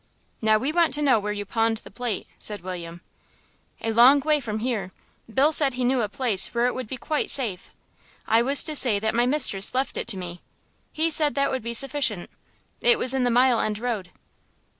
"Now we want to know where you pawned the plate," said William. "A long way from here. Bill said he knew a place where it would be quite safe. I was to say that my mistress left it to me; he said that would be sufficient.... It was in the Mile End Road."